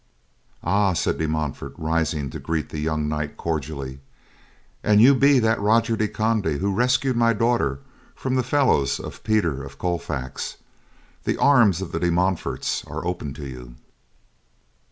"Ah," said De Montfort, rising to greet the young knight cordially, "an you be that Roger de Conde who rescued my daughter from the fellows of Peter of Colfax, the arms of the De Montforts are open to you.